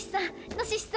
ノシシさん。